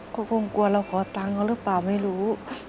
ก็คงกลัวเราขอตังค์เขาหรือเปล่าไม่รู้